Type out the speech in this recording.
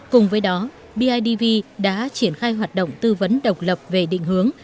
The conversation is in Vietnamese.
cùng với đó bidv đã triển khai hoạt động tư vấn độc lập về định hướng